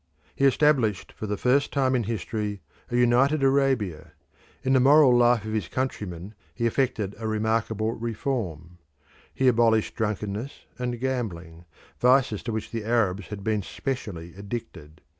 He established for the first time in history a united Arabia. In the moral life of his countrymen he effected a remarkable reform. He abolished drunkenness and gambling vices to which the Arabs had been specially addicted.